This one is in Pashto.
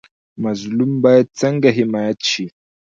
مظلوم باید څنګه حمایت شي؟